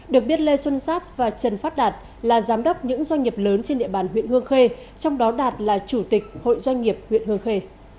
được biết lê xuân giáp và trần phát đạt là giám đốc những doanh nghiệp lớn trên địa bàn huyện hương khê trong đó đạt là chủ tịch hội doanh nghiệp huyện hương khê